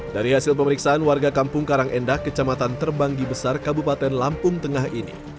dari hasil pemeriksaan warga kampung karangendah kecamatan terbanggi besar kabupaten lampung tengah ini